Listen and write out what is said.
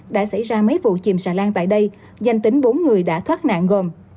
đã xảy ra mấy vụ chìm xà lan tại đây danh tính bốn người đã thoát nạn gồm